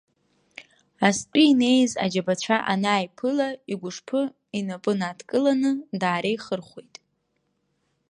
Астәи инеиз аџьабацәа анааиԥыла, игәышԥы инапы надкыланы, даареихырхәеит.